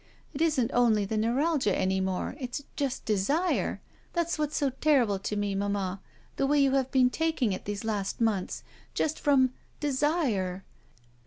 It isn't only the neu ralgia any more. It's just desire. That's what's so terrible to me, mamma. The way you have been taking it these last months. Just frx)m — desire."